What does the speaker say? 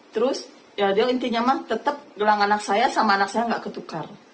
terus ya dia intinya mah tetap gelang anak saya sama anak saya gak ketukar